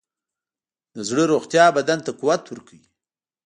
د زړه روغتیا بدن ته قوت ورکوي.